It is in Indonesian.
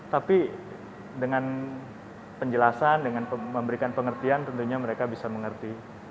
tapi dengan penjelasan dengan memberikan pengertian tentunya mereka bisa mengerti